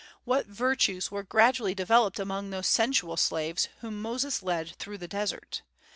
What virtues were gradually developed among those sensual slaves whom Moses led through the desert!